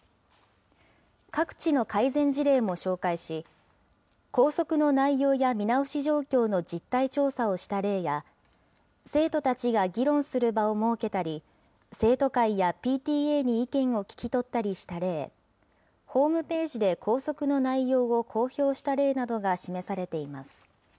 各地の改善事例も紹介し、校則の内容や見直し状況の実態調査をした例や、生徒たちが議論する場を設けたり、生徒会やＰＴＡに意見を聞き取ったりした例、ホームページで校則の内容を公表した例などが示されています。